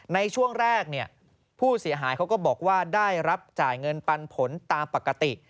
ในช่วงแรกผู้เสียหายเขาก็บอกว่าได้รับจ่ายเงินปันผลตามปกติ